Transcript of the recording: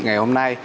ngày hôm nay